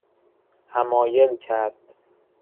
حمایل کرد